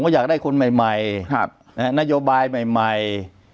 อยากได้คนใหม่นโยบายใหม่